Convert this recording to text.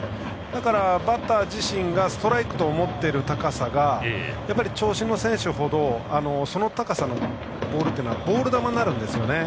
だから、バッター自身がストライクと思っている高さが長身選手ほどその高さのボールがボール球になるんですよね。